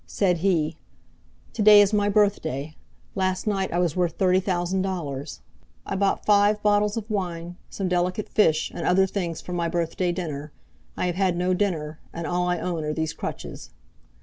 Said he: "Today is my birthday. Last night I was worth thirty thousand dollars. I bought five bottles of wine, some delicate fish and other things for my birthday dinner. I have had no dinner, and all I own are these crutches."